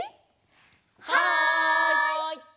はい！